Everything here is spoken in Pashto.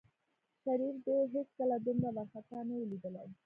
شريف دى هېڅکله دومره وارخطا نه و ليدلى.